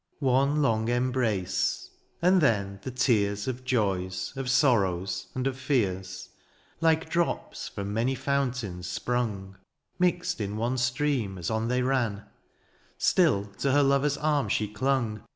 One long embrace, and then the tears Of joys, of sorrows, and of fears. Like drops from many foimtains sprang^ Mixed in one stream as on they ran : Still to her lover^s arm she clung.